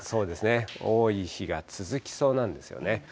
多い日が続きそうなんですよね。